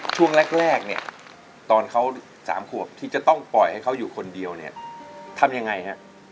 ช่วงแรกตอนเขาสามขวบที่จะต้องปล่อยให้เขาอยู่คนเดียวทำยังไงครับ